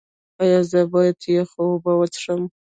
ایا زه باید یخې اوبه وڅښم؟